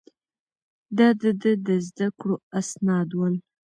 دا د ده د زده کړو اسناد ول.